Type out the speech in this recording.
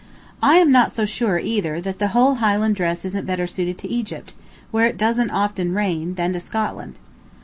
I am not so sure, either, that the whole Highland dress isn't better suited to Egypt, where it doesn't often rain, than to Scotland.